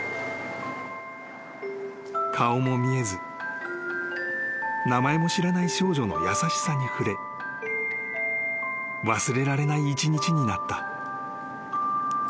［顔も見えず名前も知らない少女の優しさに触れ忘れられない一日になった］